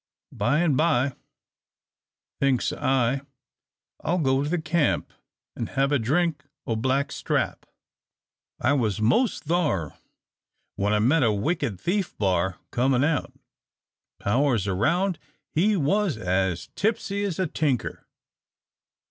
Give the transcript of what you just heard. By an' by, thinks I, I'll go to the camp an' hev a drink o' black strap. I was mos' thar, when I met a wicked thief b'ar comin' out. Powers around, he was as tipsy as a tinker.